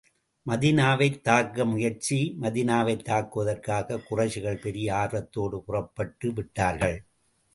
மதீனாவைத் தாக்க முயற்சி மதீனாவைத் தாக்குவதற்காகக் குறைஷிகள் பெரிய ஆரவாரத்தோடு புறப்பட்டு விட்டார்கள்.